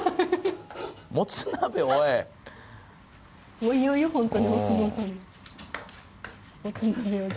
もういよいよホントにお相撲さん。